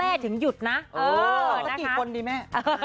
เออตั้งสี่คนสิแม่